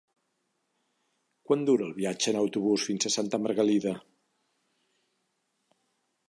Quant dura el viatge en autobús fins a Santa Margalida?